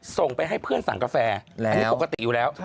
ส่งไปให้เพื่อนสั่งกาแฟอันนี้ปกติอยู่แล้ว